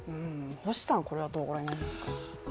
星さん、これはどうご覧になりますか。